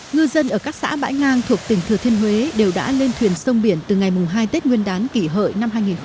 ngư dân ở các xã bãi ngang thuộc tỉnh thừa thiên huế đều đã lên thuyền sông biển từ ngày hai tết nguyên đán kỷ hợi năm hai nghìn một mươi chín